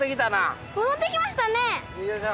よいしょ。